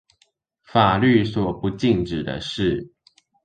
法律所不禁止的事